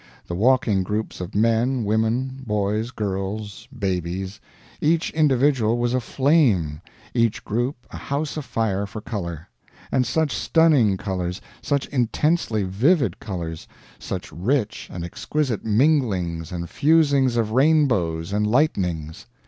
The walking groups of men, women, boys, girls, babies each individual was a flame, each group a house afire for color. And such stunning colors, such intensely vivid colors, such rich and exquisite minglings and fusings of rainbows and lightnings!